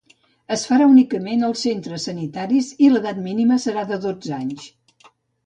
Es farà únicament als centres sanitaris i l’edat mínima serà de dotze anys.